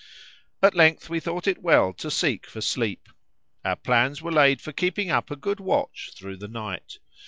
At length we thought it well to seek for sleep. Our plans were laid for keeping up a good watch through the night.